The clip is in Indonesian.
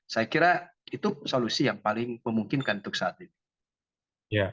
saya kira itu solusi yang paling memungkinkan untuk saat ini